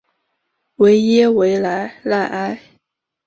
维耶维莱赖埃。